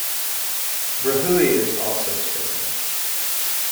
Brahui is also spoken.